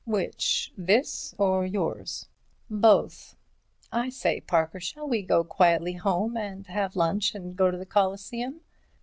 "Which, this or yours?" "Both. I say, Parker, shall we go quietly home and have lunch and go to the Coliseum?"